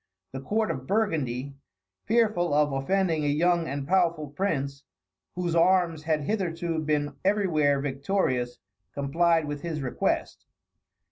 The court of Burgundy, fearful of offending a young and powerful prince, whose arms had hitherto been everywhere victorious, complied with his request.